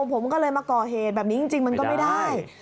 ผมก็เลยมาก่อเหตุแบบนี้จริงมันก็ไม่ได้